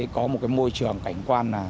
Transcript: có một môi trường cảnh sát